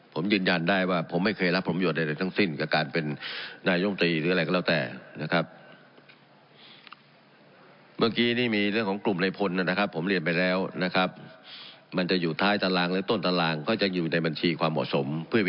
ผมยืนยันได้ว่าผมไม่เคยรับผลประโยชน์ตั้งสิ้นกับการเป็นนายโรงตรีก็แล้วแต่